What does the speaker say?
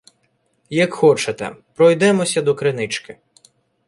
Як хочете, пройдемося до кринички.